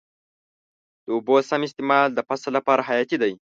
د اوبو سم استعمال د فصل لپاره حیاتي دی.